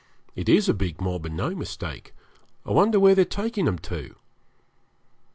It is a big mob and no mistake. I wonder where they're taking them to.'